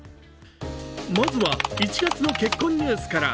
まずは１月の結婚ニュースから。